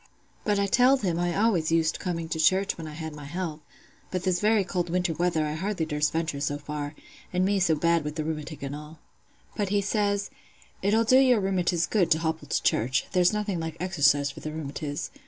"But I telled him I always used coming to church when I had my health; but this very cold winter weather I hardly durst venture so far—and me so bad wi' th' rheumatic and all. "But he says, 'It'll do your rheumatiz good to hobble to church: there's nothing like exercise for the rheumatiz.